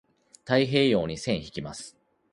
太平洋に線引きます。